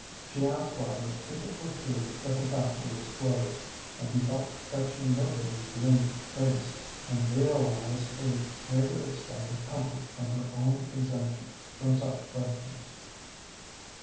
She asked Robert if it were true that the factory was closed, and he felt that she noted his gloomy face, and realized a greater extent of comfort from her own exemption from such questions.